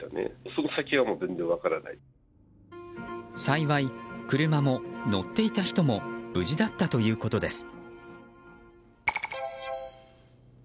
幸い、車も、乗っていた人も無事だったということです。